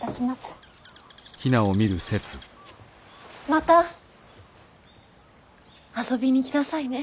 また遊びに来なさいね。